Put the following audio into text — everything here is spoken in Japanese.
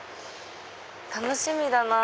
楽しみだなぁ。